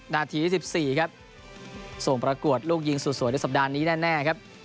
นาที๑๔ครับส่งประกวดลูกยิงสุดสวยในสัปดาห์นี้แน่ครับ